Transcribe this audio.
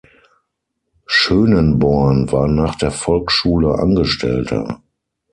Schönenborn war nach der Volksschule Angestellter.